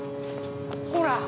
ほら！